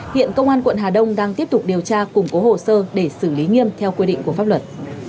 hiện công an quận hà đông đang tiếp tục điều tra củng cố hồ sơ để xử lý nghiêm theo quy định của pháp luật